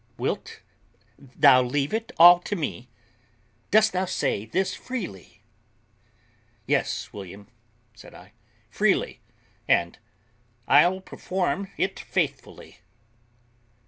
"Wilt thou leave it all to me? Dost thou say this freely?" "Yes, William," said I, "freely; and I'll perform it faithfully."